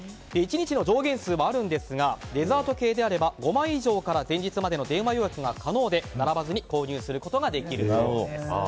１日の上限数はあるんですがデザート系であれば５枚以上から前日までの電話予約が可能で並ばずに購入することができるそうです。